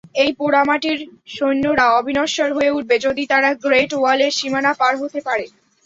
এই পোড়ামাটির সৈন্যরা অবিনশ্বর হয়ে উঠবে যদি তারা গ্রেট ওয়ালের সীমানা পার হতে পারে।